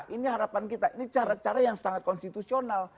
ini harapan kita ini cara cara yang sangat konstitusional